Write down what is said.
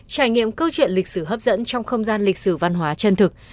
trải nghiệm câu chuyện lịch sử hấp dẫn trong không gian lịch sử văn hóa chân thực